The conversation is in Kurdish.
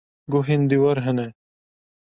Guhên dîwar hene.